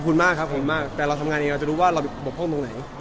ผมถ้าก็ขอบคุณมากครับแต่เราทำงานแล้วเราจะรู้ว่าจะและปบห้องตรงไหน